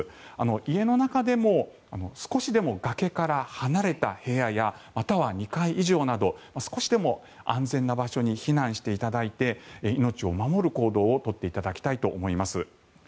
家の中でも少しでも崖から離れた部屋やまたは２階以上など少しでも安全な場所に避難していただいて命を守る行動を取っていただきたいと思います。